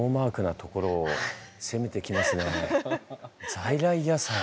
在来野菜。